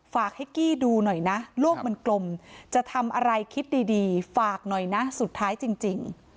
ฝากให้กี้ดูหน่อยนะโลกมันกลมจะทำอะไรคิดดีฝากหน่อยนะสุดท้ายจริง